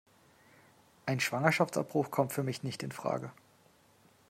Ein Schwangerschaftsabbruch kommt für mich nicht infrage.